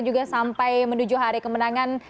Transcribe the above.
juga sampai menuju hari kemenangan